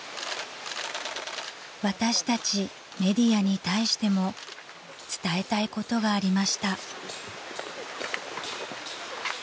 ［私たちメディアに対しても伝えたいことがありました］